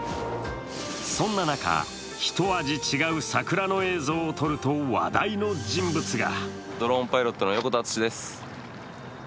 そんな中、一味違う桜の映像を撮ると話題の人物が。